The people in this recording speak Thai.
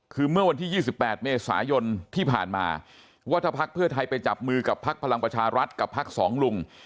คือเมื่อวันที่๒๘เมษายนที่ผ่านมาว่าถ้าพักเพื่อไทยไปจับมือกับพักพลังประชารัฐกับพักสองลุง